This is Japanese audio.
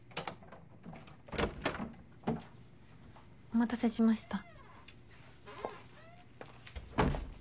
お待たせしました。